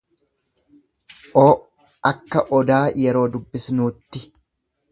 o akka odaa yeroo dubbisnuutti.